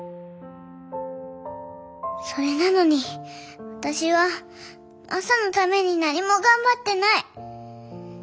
それなのに私はマサのために何も頑張ってない。